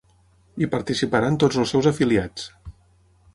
Hi participaran tots els seus afiliats.